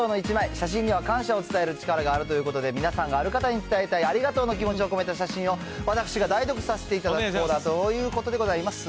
写真には感謝を伝える力があるということで、皆さんがある方に伝えたいありがとうの気持ちを込めた写真を私が代読させていただくコーナーということでございます。